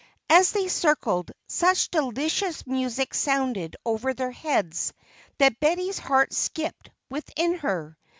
As they circled, such delicious music sounded over their heads that Betty's heart skipped within her.